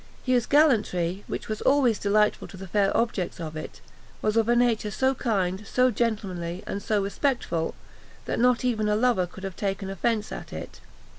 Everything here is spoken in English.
His gallantry, which was always delightful to the fair objects of it, was of a nature so kind, so gentlemanly, and so respectful, that not even a lover could have taken offence at it.